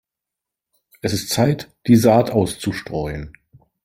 Es ist Zeit, die Saat auszustreuen.